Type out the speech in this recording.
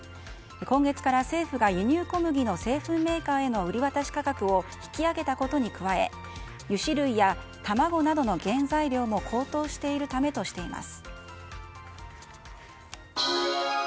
今月から政府が輸入小麦の製粉メーカーへの売り渡し価格を引き上げたことに加え油脂類や卵の原材料価格が高騰しているためとしています。